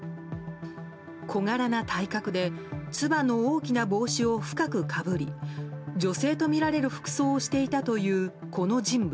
小柄な体格でつばの大きな帽子を深くかぶり女性とみられる服装をしていたというこの人物。